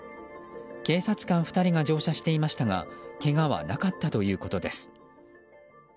警察官２人が乗車していましたがけがはなかったということです。